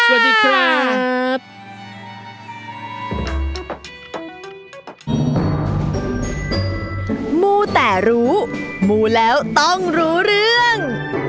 สวัสดีครับ